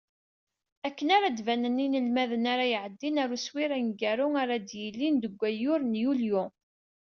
Akken ad d-banen yinelmaden ara iɛeddin ɣer uswir aneggaru ara d-yilin deg wayyur n yulyu.